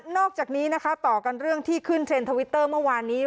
อกจากนี้นะคะต่อกันเรื่องที่ขึ้นเทรนด์ทวิตเตอร์เมื่อวานนี้